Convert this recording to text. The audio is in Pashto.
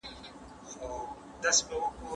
هغه خلک چې جنګ ځپلي دي مرستې ته اړتیا لري.